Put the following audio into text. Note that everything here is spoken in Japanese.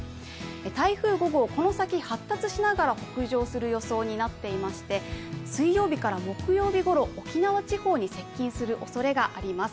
台風５号、この先、発達しながら北上する予想になっていまして、水曜日から木曜ごろ、沖縄地方に接近するおそれがあります。